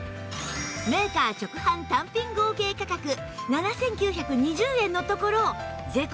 メーカー直販単品合計価格７９２０円のところ税込